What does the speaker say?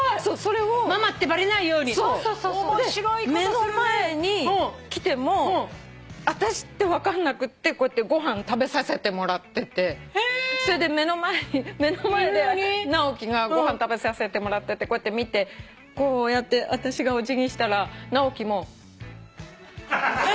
目の前に来ても私って分かんなくてこうやってご飯食べさせてもらっててそれで目の前で直樹がご飯食べさせてもらっててこうやって見てこうやって私がお辞儀したら直樹も。え！